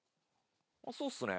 あっそうっすね